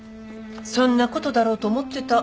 そんなことだろうと思ってた。